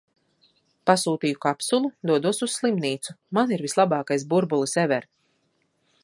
Pasūtīju kapsulu, dodos uz slimnīcu. Man ir vislabākais burbulis ever!